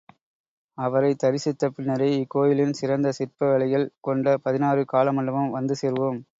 அவரைத் தரிசித்த பின்னரே, இக்கோயிலின் சிறந்த சிற்ப வேலைகள் கொண்ட பதினாறு கால் மண்டபம் வந்து சேருவோம்.